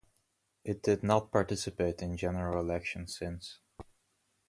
It did not participate in general elections since.